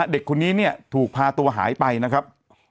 เด็กคนนี้เนี่ยถูกพาตัวหายไปนะครับ